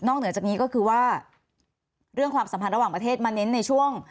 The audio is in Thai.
เหนือจากนี้ก็คือว่าเรื่องความสัมพันธ์ระหว่างประเทศมาเน้นในช่วง